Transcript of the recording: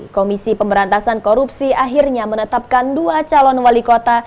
komisi pemberantasan korupsi akhirnya menetapkan dua calon wali kota